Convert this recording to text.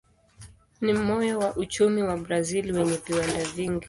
Ni moyo wa uchumi wa Brazil wenye viwanda vingi.